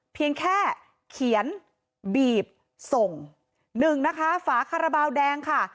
เพียงแค่เขียนบีบส่งหนึ่งนะคะฝาคาราบาลแดงค่ะ